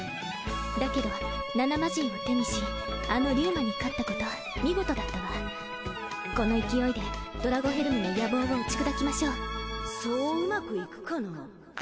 だけど７マジンを手にしあのリュウマに勝ったこと見事だったわこの勢いでドラゴヘルムの野望を打ち砕きましょうそううまくいくかな？